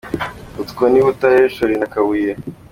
Utwo ni Butare, Shori na Kabuye .